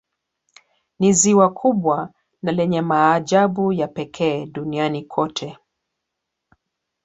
Ni ziwa kubwa na lenye maajabu ya pekee Duniani kote